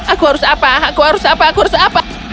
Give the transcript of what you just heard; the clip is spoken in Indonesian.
aku harus apa aku harus apa aku harus apa